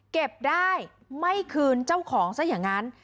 เก็บได้ไม่คืนเจ้าของซะอย่างนั้น